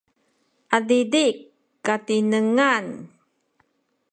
adidi’ katinengan